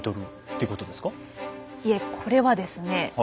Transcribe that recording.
いえこれはですね。